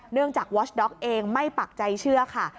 จากวอชด็อกเองไม่ปักใจเชื่อค่ะ